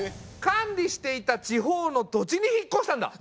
管理していた地方の土地に引っこしたんだ。